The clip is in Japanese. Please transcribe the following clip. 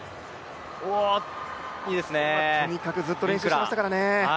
とにかくずっと練習してましたからね。